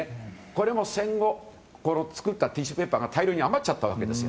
これも戦後、作ったティッシュペーパーが大量に余っちゃったわけです。